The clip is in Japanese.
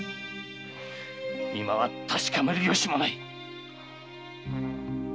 今は確かめるよしもない。